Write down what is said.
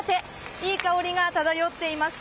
いい香りが漂っています。